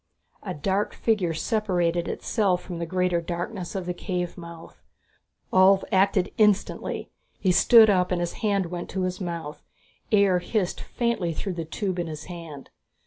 A dark figure separated itself from the greater darkness of the cave mouth. Ulv acted instantly. He stood up and his hand went to his mouth; air hissed faintly through the tube in his hand.